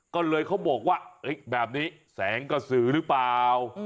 ก็เลยเขาบอกว่าแบบนี้แสงกระสือหรือเปล่า